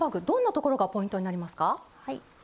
どんなところがポイントになりますか？